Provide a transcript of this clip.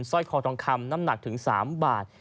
ร้อยคอทองคำน้ำหนักถึง๓บาท